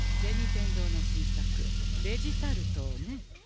天堂の新作デジタルトをね。